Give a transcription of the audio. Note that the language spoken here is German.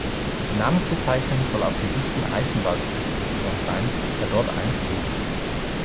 Die Namensbezeichnung soll auf den dichten Eichenwald zurückzuführen sein, der dort einst wuchs.